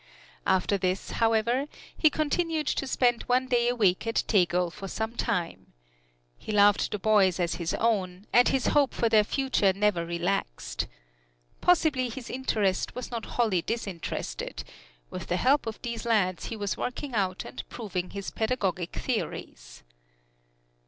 After this, however, he continued to spend one day a week at Tegel for some time. He loved the boys as his own, and his hope for their future never relaxed. Possibly his interest was not wholly disinterested with the help of these lads he was working out and proving his pedagogic theories.